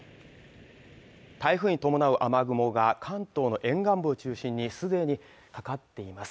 台風に伴う雨雲が関東の沿岸部を中心にすでにかかっています